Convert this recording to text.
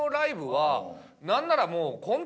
何ならもう。